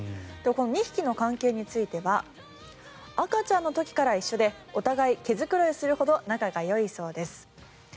この２匹の関係については赤ちゃんの時から一緒でお互い毛繕いするほど仲がよいそうです。